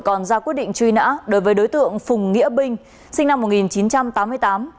còn ra quyết định truy nã đối với đối tượng phùng nghĩa binh sinh năm một nghìn chín trăm tám mươi tám